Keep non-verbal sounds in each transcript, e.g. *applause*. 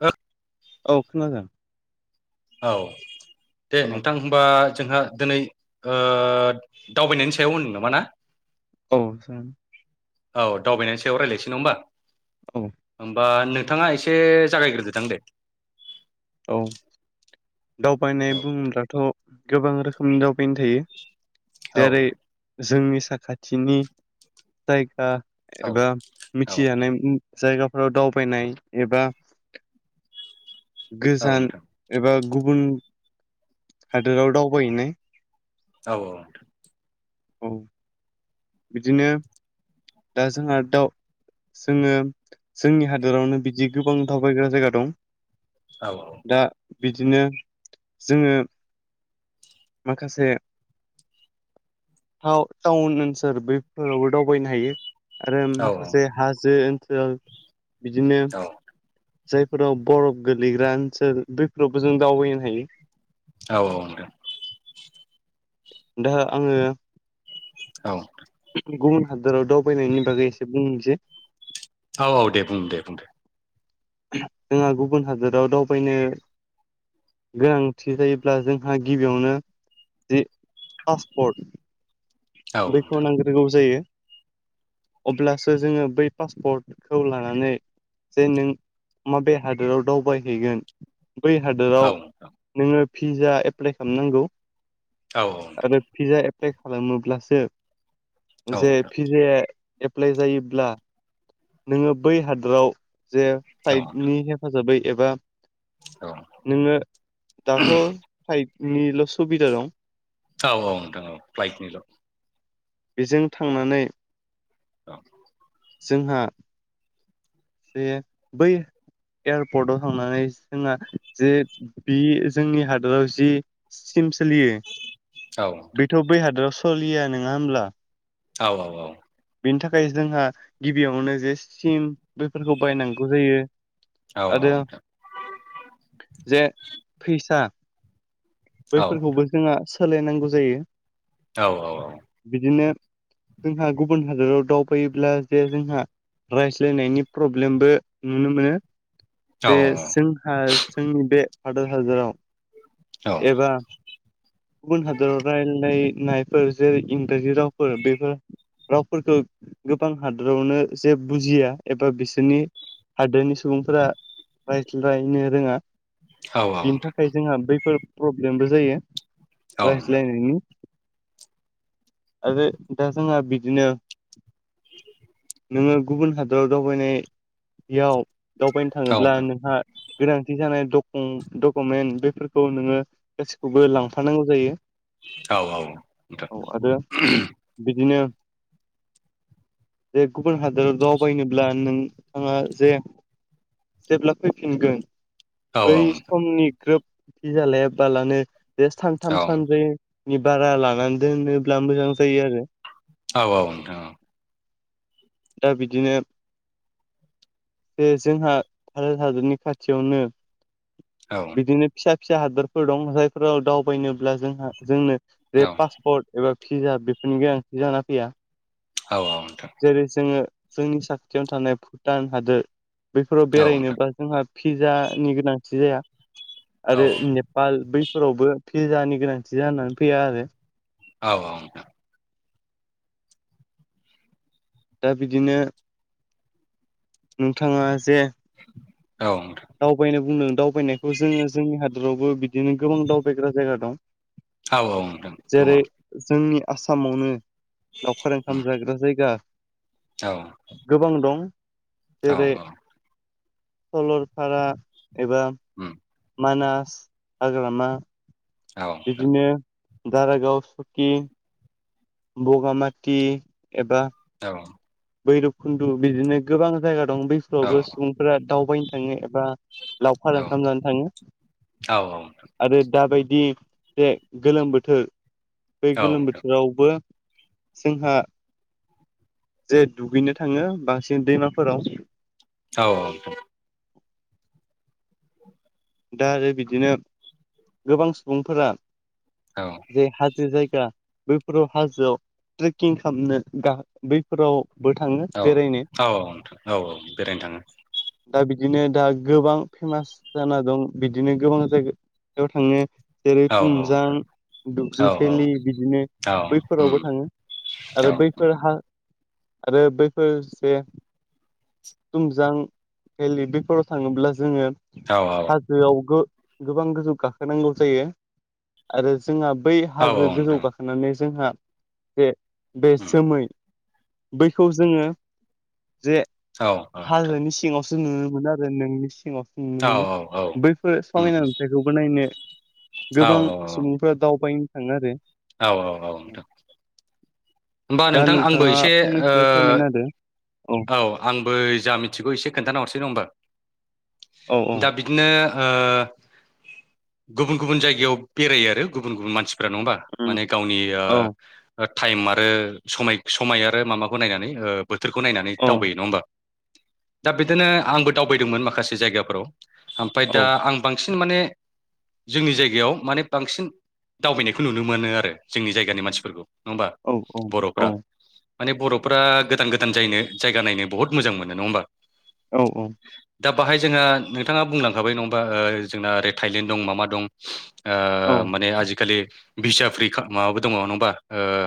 ओ औ खोनादों औ दे औ नोंथां होनबा जोंहा दिनै दावबायनायनि सायाव होननो नामा ना औ जागोन औ दावबायनायनि सायाव रायज्लायनोसै नङा होमबा औ होमबा नों थाङा एसे जागायग्रोदोदां दे औ दावबायनाय बुङोब्लाथ' गोबां रोखोमनि दावबायनाय थायो औ जेरै जोंनि साखाथिनि जायगा औ एबा औ मिथिजानाय जायगाफोराव दावबायनाय एबा औ गोजान नोंथां एबा गुबुन हादोराव दावबायहैनाय औ औ नोंथां औ बिदिनो दा जोंहा दाउ जोङो जोंनि हादोरावनो बिदि गोबां दावबायग्रा जायगा दं औ दा बिदिनो जोङो माखासे थाउ थाउन ओनस फोर बैफोरावबो दावबायनो हायो आरो औ माखासे हाजो ओनसोल बिदिनो औ जायफोराव बरफ गोलैग्रा ओनसोल बैफोरावबो जों दावबायनो हायो औ औ नोंथां दा आङो औ गुबुन हादोराव दावबायनायनि बागै एसे बुंनोसै औ औ दे बुं दे बुं दे जोंहा गुबुन हादोराव दावबायनो गोनांथि जायोब्ला जोंहा गिबियावनो जि पासपर्ट औ बेखौ नोंथां नांग्रोगौ जायो अब्लासो जोङो बै पासपर्टखौ लानानै जे नों माबे हादोराव दावबायहैगोन बै औ हादोराव नोङो पिज्जा एप्लाइ खालामनांगौ औ नोंथां आरो पिज्जा एप्लाइ खालामोब्लासो औ जे नोंथां फिजे एप्लाइ जायोब्ला नोङो बै हादराव जे औ फ्लाइटनि हेफाजाबै एबा नोङो दाथ' फ्लाइट निल' सुबिदा दं औ औ नोंथां औ फ्लाइटनिल बेजों थांनानै औ जोंहा जे बै एयारपर्टआव थांनानै जोंहा जे बि जोंनि हादोराव जि सिम सोलियो औ नोंथां बेथ' बै हादोराव सलिया नङा होमब्ला औ औ औ बेनि थाखाय जोंहा गिबियावनो जे सिम बेफोरखौ बायनांगौ जायो औ आरो जे फैसा औ बैफोरखौबो जोंहा सोलायनांगौ जायो औ औ औ बिदिनो जोंहा गुबुन हादोराव दावबायोब्ला जे जोंहा रायज्लायनायनि प्रब्लेमबो नुनो मोनो औ जे जोंहा जोंनि बे भादत हादोराव औ एबा गुबुन हादराव रायलायनाय फोर जेरै इंराजि रावफोर बेफोर रावफोरखौ गोबां हादोरावनो जे बुजिया एबा बिसोरनि हादोरनि सुबुंफोरा रायज्लायनो रोङा औ बिनि नोंथां थाखाय जोंहा बैफोर प्रब्लेमबो जायो औ रायज्लायनायनि आरो दा जोंहा बिदिनो नोङो गुबुन हादराव दावबायनायाव दावबायनो औ थाङोब्ला नोंहा गोनांथि जानाय डकु-डकुमेन्ट बेफोरखौ नोङो गासिखौबो नोंथां लांफानांगौ जायो। औ औ नोंथां औ आरो बिदिनो जे गुबुन हादराव दावबायनोब्ला नोंथाङा जे जेब्ला फैफिनगोन औ बै औ नोंथां समनि ग्रोब भीजा जालाया बालानो बे सानथाम औ सानब्रै नि बारा लानानै दोनोब्ला मोजां जायो आरो औ नोंथां औ दा बिदिनो जे जोंहा भारत हादोरनि खाथियावनो औ बिदिनो फिसा फिसा हादोरफोर दं जायफोराव दावबायनोब्ला जोंहा जोंनो बे औ पासपर्ट एबा भिजा बेफोरनि गोनांथि जाना फैया औ नोंथां जेरै जोङो जोंनि साखाथियावनो थानाय भुटान हादोर बेफोराव औ नोंथां बेरायनोबा जोंहा फिज्जानि गोनांथि जाया औ आरो नेपाल बैफोरावबो भिजानि गोनांथि जानानै फैया आरो औ औ नोंथां दा बिदिनो नोंथाङा जे औ नोंथां दावबायनो बुंदों दावबायनायखौ जोङो जोंनि हादरावबो बिदिनो गोबां दावबायग्रा जायगा दं। औ जेरै जोंनि आसामावनो लावखार ओंखाम जाग्रा जायगा गोबां दं। औ जेरै सलरफारा एबा नोंथां मानास हाग्रामा बिदिनो दारागाव सुकि बगामाथि एबा दङ भैरब खुन्दु बिदिनो गोबां जायगा दं बैफोरावबो उम सुबुंफोरा दावबायनो थाङो बा औ लावखार ओंखाम जानो थाङो औ उम आरो दाबायदि *inaudible* गोलोम बोथोर बे औ गोलोम बोथोरावबो जोंहा जे दुगैनो थाङो बांसिन दैमाफोराव औ औ दा आरो बिदिनो गोबां सुबुंफोरा जे हाजो जायगा बैफोराव हाजोआव ट्रेकिं खालामनो बा बैफोराव बो थाङो औ बेरायनो औ औ नोंथां औ बेरायनो दा बि बिदिनो दा गोबां फेमास जाना दं बिदिनो गोबां जायगायाव थांनो जेरै थाङो औ तुमजां नोंथां दुकजु औ भेलि बिदिनो औ उम बैफोरावबो थाङो औ आरो बैफोर हा आरो बैफोर जे थुमजां भेलि बैफोराव थाङोब्ला जोङो औ हाजोआव गो-गोबां गोजौ गाखोनांगौ जायो आरो जोंहा बै औ हाजो गोजौ नोंथां गाखोनानै जोंहा जे बे उम जोमै बैखौ जोङो जे औ नोंथां हाजोनि सिङाव सो नुनो मोनो आरो नोंनि सिङावसो नुनो औ मोनो औ औ बैफोर उम समायना नुथायाइखौबो नायनो औ औ गोबां औ सुबुंफोरा दावबायनो थाङो आरो। औ औ औ नोंथां होमबा दा नोंथां आंबो नोंथाङा एसे ओ फंनैसो फोरमायना होदो औ आंबो जा मिथिगौ एसे खोनथाना हरसै नङा होमबा औ औ दा बिदिनो ओ गुबुन गुबुन जायगायाव बेरायो आरो गुबुन गुबुन मानसिफोर ओमबा उम, माने गावनि ओ औ थाइमा ओ समाय समाय आरो माबाखौ नायनानै ओ बोथोरखौ नायनानै औ दावबायो नङा होमबा दा बिदोनो आंबो दावबायदोंमोन माखासे जायगाफोराव ओमफाय औ दा आं बांसिन माने जोंनि जायगायाव माने बांसिन दावबायनायखौ नुनो मोनो आरो जोंनि जायगानि मानसिफोरखौ न औ औ औ माने बर'फोरा गोदान गोदान जायनो जायगा नायनो बुहुद मोजां मोनो नङा होमबा औ औ दा बाहाय जोंहा नोंथाङा बुंलांखाबाय नङा ओमबा जोंना ओरै थाइलेण्ड दं माबा दं औ ओ माने आजिकालि भिजा फ्रि का माबाबो दङ' नङा होमबा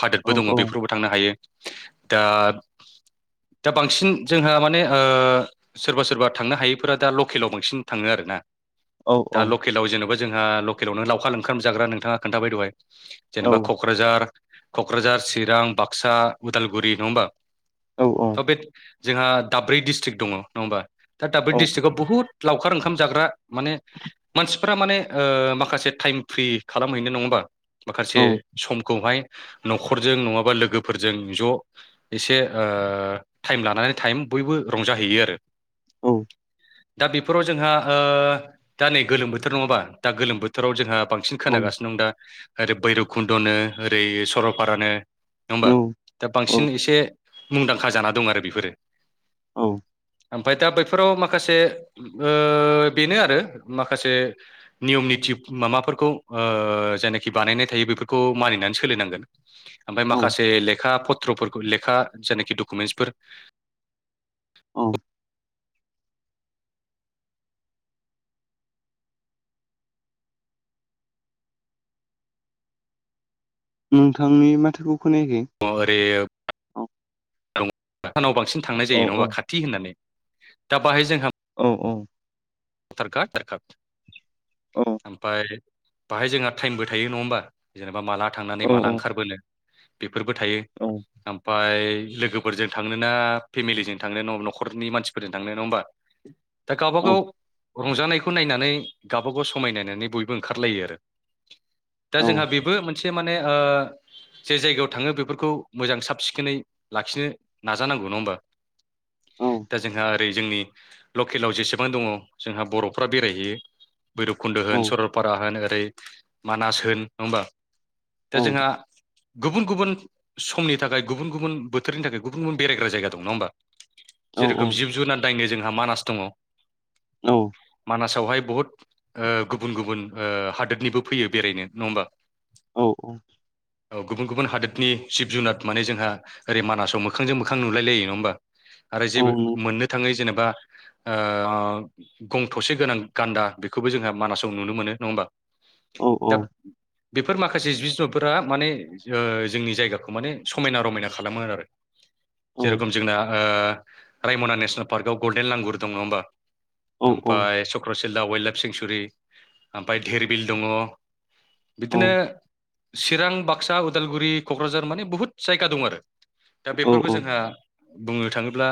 हा औ दोङ' औ बेफोरावबो थांनो हायो दा दा बांसिन जोंहा माने ओ सोरबा सोरबा थांनो हायैफोरा दा लकेलाव बांसिन थाङो आरोना औ दा लकेलाव जेन'बा जोंहा लकेलावनो लावखार ओंखाम जाग्रा नोंथाङा खोनथाबाय दहाय जेनेबा क'क्राझार क'क्राझार चिरां बाक्सा उदालगुरि नङा ओमबा औ तो बे जोंहा दाब्रै डिस्ट्रिक्ट दङ' नङा होमबा दा दाब्रै डस्ट्रिकाव बुहुत लावखार ओंखामा जाग्रा माने मानसिफ्रा माने ओ माखासे टाइम फ्रि खालामहैनो नङा ओमबा माखासे समखौहाय न'खरजों नङाबा लोगोफोरजों ज' इसे ओ थाइम लानानै थाइम बयबो रंजाहैयो आरो औ दा बेफोराव जोंहा ओ दा नै गोलोम बोथोर नङा ओमबा दा गोलोम बोथोराव जोंहा बांसिन खोनागासिनो दं दा ओरै बैरबकुन्द'नो ओरै सरलपारानो ओमबा दा बांसिन इसे मुंदांखा जाना दं आरो बिफोरो औ ओमफाय दा बै फोराव माखासे ओ बेनो आरो माखासे नियम निति माबाफो फोरखौ ओ जेनोखि बानायनाय थायो बेफोरखौ मानिनानै सोलिनांगोन ओमफाय माखासे लेखा फ थ्र फोरखौ लेखा जेनोखि डकुमेन्टसफोर औ नोंथांनि माथोखौ खोनायाखै अ ओरे औ नाव बांसिन थांनाय औ जायो औ नङाबा खाथि होननानै दा बाहाय जोंहा औ औ थारका थारका औ ओमपाय बाहाय जोंहा थाइमबो थायो नङा ओमबा जेनेबा माला थांनानै माला औ ओंखारबोनो बे फोरबो थायो ओमफाय लोगोफोरजों थांनोना फेमिलिजों थांनो नङा न'खरनि मानसिफोरजों थांनोा नङा ओमबा? दा गावबा औ गाव रंजानायखौ नायनानै गावबा गाव समाय नायनानै बयबो ओंखारलायो आरो दा जोंहा औ बेबो मोनसे माने ओ जे जायगायाव थाङो बेफोरखौ मोजां साब सिखोनै लाखिनो नाजानांगौ नङा होमबा औ दा जोंहा ओरै जोंनि लकेलाव जेसेबां दङ' जोंहा बर'फ्रा बेरायहैयो भैरबकुन्द औ होन सरलपारा होन ओरै मानास होन नङा होमबा औ दा जोंहा गुबुन गुबुन समनि थाखाय गुबुन गुबुन बोथोरनि थाखाय गुबुन गुबुन बेरायग्रा जायगा दं नङा होमबा औ औ जिरोखोम जिब जुनार दायनो जोंहा मानास दङ' औ मानासावहाय बहुत ओ गुबुन गुबुन ओ हादोतनिबो फैयो बेरायनो नङा ओमबा औ औ ओ गुबुन गुबुन हादोरनि जिब जुनाद माने जोंहा ओरै मानासाव मोखांजों मोखां नुलायलायो नङा होमबा आरो जेबो नों मोननो थाङै जेनेबा ओ गं थसे गोनां गान्दा बेखौबो जोंहा मानासाव नुनो मोनो नङा होमबा औ औ दा बेफोर माखासे जिब जुनुफोरा माने ओ जोंनि जायगाखौ माने समायना रमायना खालामो आरो औ जेरखम जोंना ओ रायमना नेसनेल पार्कआव गल्डेन लांगुर दं नङा होमबा औ औ ओमफ्राय चक्रसिलला वाइल्ड लाइफ सेंसुरि ओमफ्राय धिरबिल दङ औ बिदिनो चिरां बाक्सा उदालगुरि क'क्राझार माने बुहुत जायगा दं आरो दा औ बेफोरखौ औ जोंहा बुंनो थाङोब्ला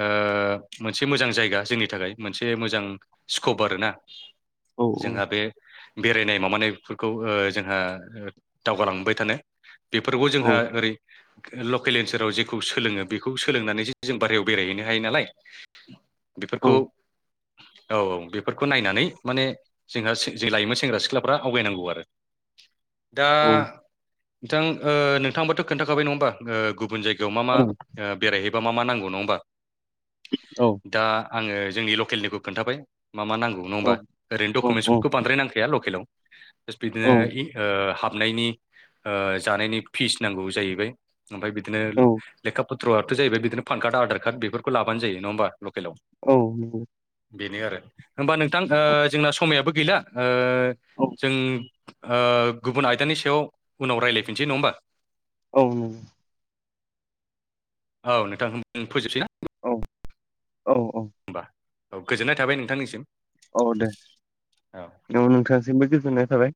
ओ मोनसे मोजां जायगा जोंनि थाखाय मोनसे मोजां स्कप आरोना जोंहा बे बेरायनाय माबानायफोरखौ ओ जोंहा दावगालांबाय थानो बेफोरखौ जोंहा औ ओरै लकेल ओनसोलाव जेखौ सोलोङो बेखौ सोलोंनानैसो जों बारहायाव बेरायहैनो हायो नालाय औ बेफोरखौ औ बेफोरखौ नायनानै माने जोंहा जे लायोमोन सेंग्रा सिख्लाफ्रा आवगायनांगौ आरो दा नोंथां ओ नोंथाङाबोथ' खोन्थाखाबाय नङा होमबा गुबुन जायगायाव मा मा औ नंगौ ओ बेरायहैबा मा मा नांगौ नङा होमबा दा आङो जोंनि ल लकेलनिखौ खोन्थाबाय मा नांगौ नङा होमबा ओरैनो औ नंगौ डकुमेन्टसफोरखौ बांद्राय नांखाया लकेलाव बिदिनो औ हाबनायनि ओ जानायनि फिस नांगौ जाहैबाय ओमफ्राय बिदिनो लेखा पत्रआथ' जाहैबाय बिदिनो फान का र्ड आधार कार्ड बेफोरखौ लाबानो जायो नङा होमबा लकेलाव औ बेनो आरो होमबा नोंथां ओ जोंना समायाबो गैला ओ जों ओ गुबुन आयदानि सायाव उनाव रायज्लायफिनसै नङा होमबा औ नंगौ औ नोंथां होमबा जों फोजोबसै ना औ औ औ औ गोजोननाय थाबाय नोंथांनिसिम औ दे औ नोंथांसिमबो गोजोननाय थाबाय